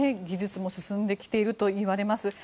技術も進んできているといわれています。